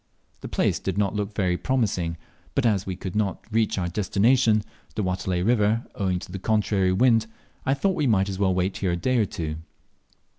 The place did not look very promising, but as we could not reach our destination, the Watelai river, owing to the contrary wind, I thought we might as well wait here a day or two.